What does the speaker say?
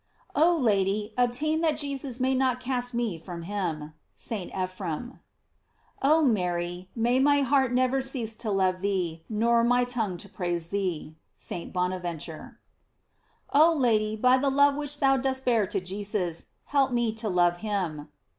Oh Lady, obtain that Jesus may not cast me from him. — St. Ephrem. Oh Mary, may my heart never cease to * Blosius or. ad B. V. GLORIES OF MABY. 785 thee nor ray tongue to praise thee. — St. Bo* naventure. Oh Lady, by the love which thou dost bear to Jesus, help me to love him.